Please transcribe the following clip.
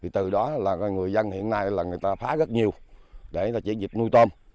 từ đó người dân hiện nay phá rất nhiều để chỉ dịch nuôi tôm